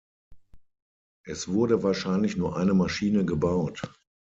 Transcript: Es wurde wahrscheinlich nur eine Maschine gebaut.